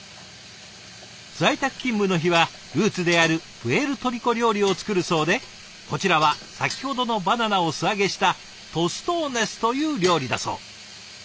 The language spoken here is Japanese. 在宅勤務の日はルーツであるプエルトリコ料理を作るそうでこちらは先ほどのバナナを素揚げしたトストーネスという料理だそう。